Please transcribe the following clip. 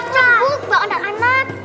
cukup buat anak anak